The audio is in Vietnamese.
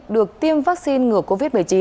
được tiêm vaccine ngừa covid một mươi chín